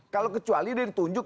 kalau kecuali dia ditunjuk